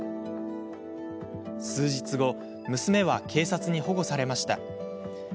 数日後娘は警察に保護されました。